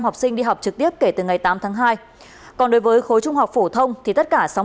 học sinh đi học trực tiếp kể từ ngày tám tháng hai còn đối với khối trung học phổ thông thì tất cả sáu